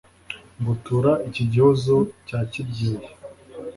ngutura iki gihozo cya kibyeyi